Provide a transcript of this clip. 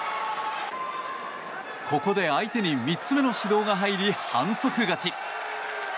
ここで相手に３つ目の指導が入り反則勝ち。